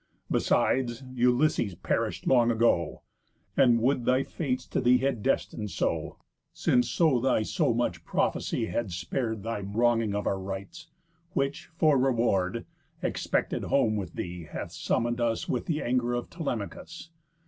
Besides, Ulysses perish'd long ago; And would thy fates to thee had destin'd so, Since so thy so much prophecy had spar'd Thy wronging of our rights, which, for reward Expected home with thee, hath summon'd us Within the anger of Telemachus.